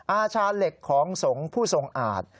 อาชาเหล็กของสงฆ์ผู้ทรงอาจ